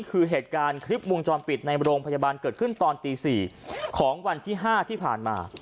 คือเหตุการณ์คลิปวงจรปิดในโรงพยาบาลเกิดขึ้นตอนตี๔ของวันที่๕ที่ผ่านมา